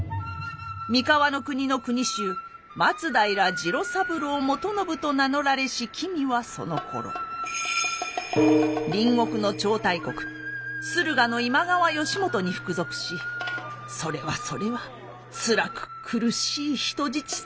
三河国の国衆松平次郎三郎元信と名乗られし君はそのころ隣国の超大国駿河の今川義元に服属しそれはそれはつらく苦しい人質生活を送っておられました。